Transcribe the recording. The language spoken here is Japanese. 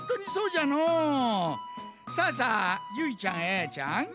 さあさあゆいちゃんあやちゃん